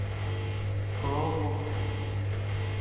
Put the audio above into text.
Ko won.